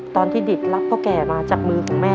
ตอนที่ดิตรับพ่อแก่มาจากมือของแม่